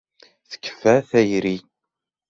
Tekfa tayri.